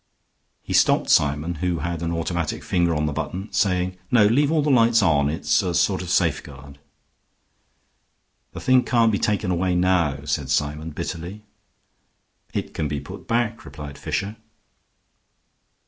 He stopped Symon, who had an automatic finger on the button, saying: "No, leave all the lights on. It's a sort of safeguard." "The thing can't be taken away now," said Symon, bitterly. "It can be put back," replied Fisher.